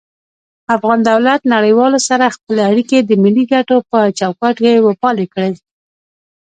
افغان دولت نړيوالو سره خپلی اړيکي د ملي کټو په چوکاټ کي وپالی کړي